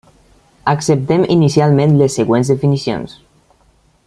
Acceptem inicialment les següents definicions.